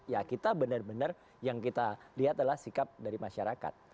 ya kita benar benar yang kita lihat adalah sikap dari masyarakat